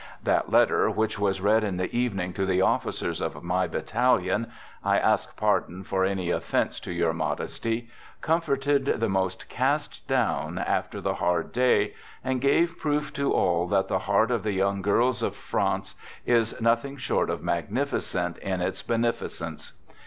That letter, which was read in the evening to the officers of my j battalion, — I ask pardon for any offense to your modesty, — comforted the most cast down after the hard day and gave proof to all that the heart of the \ young girls of France is nothing short of magnificent ' in its beneficence.